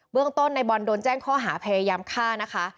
เรื่องต้นในบอลโดนแจ้งข้อหาพยายามฆ่านะคะ